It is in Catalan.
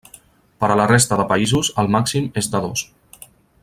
Per a la resta de països el màxim és de dos.